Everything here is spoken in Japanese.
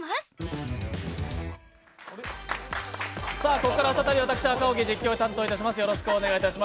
ここから再び、私・赤荻が実況を担当します。